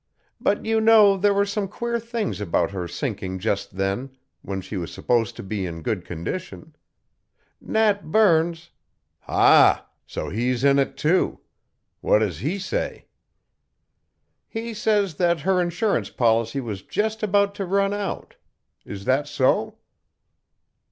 But you know there were some queer things about her sinking just then, when she was supposed to be in good condition. Nat Burns " "Ha! So he is in it, too. What does he say?" "He says that her insurance policy was just about to run out. Is that so?"